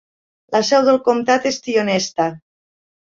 La seu del comtat és Tionesta.